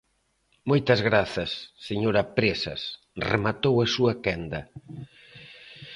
Moitas grazas, señora Presas, rematou a súa quenda.